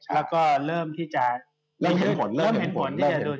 แล้วก็เริ่มที่จะเริ่มเห็นผล